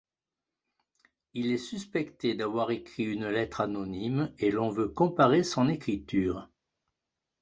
Il est suspecté d'avoir écrit une lettre anonyme et l'on veut comparer son écriture.